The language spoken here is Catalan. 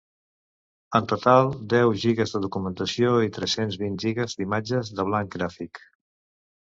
En total, deu gigues de documentació, i tres-cents vint gigues d’imatges del banc gràfic.